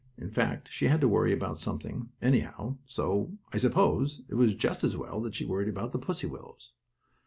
In fact she had to worry about something, anyhow, so I suppose it is just as well that she worried about the pussy willows.